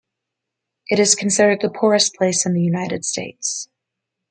It is considered the poorest place in the United States.